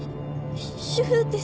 主婦です。